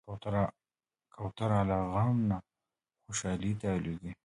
کوتره له غم نه خوشحالي ته الوزي.